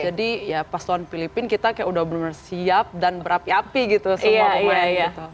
jadi ya pas tuan filipina kita kayak udah bener bener siap dan berapi api gitu semua kemarin gitu